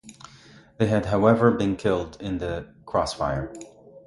They had however been killed in the cross-fire.